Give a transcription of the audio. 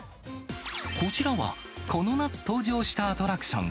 こちらは、この夏登場したアトラクション。